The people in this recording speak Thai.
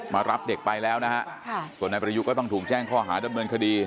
มารับเด็กไปแล้วนะฮะส่วนนายประยุกก็ต้องถูกแจ้งข้อหาดำเนินคดี